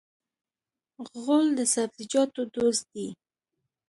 غول د سبزیجاتو دوست دی.